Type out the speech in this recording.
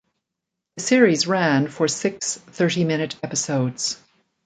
The series ran for six thirty-minute episodes.